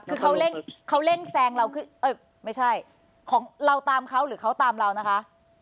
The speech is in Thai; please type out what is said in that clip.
คือเขาเร่งแซงเราคือไม่ใช่ของเราตามเขาหรือเขาตามเรานะคะ